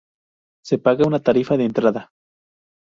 Se paga una tarifa de entrada.